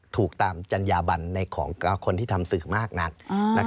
ถูกตามจัญญาบันของคนที่ทำสื่อมากนัก